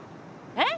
えっ？